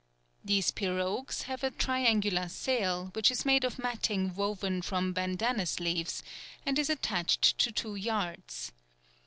These pirogues have a triangular sail, which is made of matting woven from bandanus leaves, and is attached to two yards.